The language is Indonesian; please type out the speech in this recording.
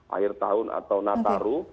akhir tahun atau nataru